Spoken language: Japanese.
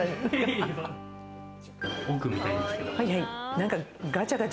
奥見たいんですけど。